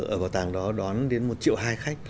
ở bảo tàng đó đón đến một triệu hai khách